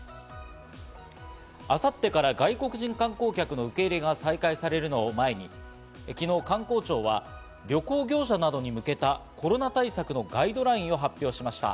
明後日から外国人観光客の受け入れが再開されるのを前に昨日、観光庁は旅行業者などに向けたコロナ対策のガイドラインを発表しました。